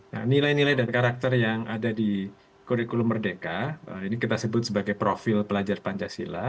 nah nilai nilai dan karakter yang ada di kurikulum merdeka ini kita sebut sebagai profil pelajar pancasila